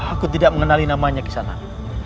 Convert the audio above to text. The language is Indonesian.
aku tidak mengenali namanya kisanak